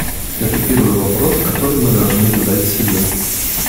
Это первый вопрос, который мы должны задать себе.